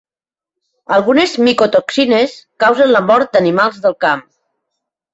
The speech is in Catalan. Algunes micotoxines causen la mort d'animals del camp.